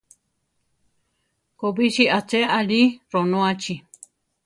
Kobísi aché aʼli, ronóachi.